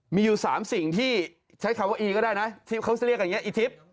มีอยู่๓สิ่งที่ใช้คำว่าอีกนะเขาจะเรียกอย่างงี้อีทิพย์